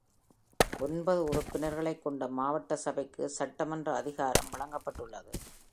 ஒன்பது உறுப்பினர்களைக் கொண்ட மாவட்ட சபைக்கு சட்டமன்ற அதிகாரம் வழங்கப்பட்டுள்ளது.